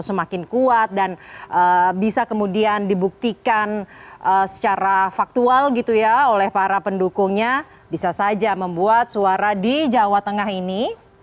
semakin kuat dan bisa kemudian dibuktikan secara faktual gitu ya oleh para pendukungnya bisa saja membuat suara di jawa tengah ini